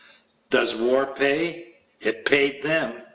Does war pay? It paid them.